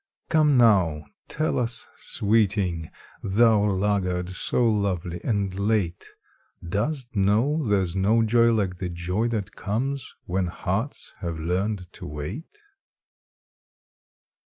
Come now tell us, sweeting, Thou laggard so lovely and late, Dost know there's no joy like the joy that comes When hearts have learned to wait?